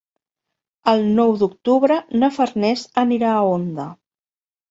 El nou d'octubre na Farners anirà a Onda.